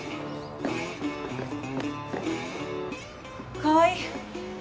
川合！